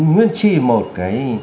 nguyên trì một cái